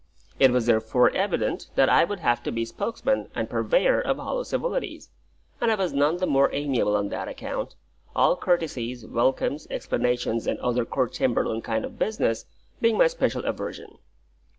It was therefore evident that I would have to be spokesman and purveyor of hollow civilities, and I was none the more amiable on that account; all courtesies, welcomes, explanations, and other court chamberlain kind of business, being my special aversion.